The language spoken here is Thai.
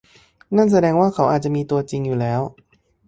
นั่นแสดงว่าเขาอาจจะมีตัวจริงอยู่แล้ว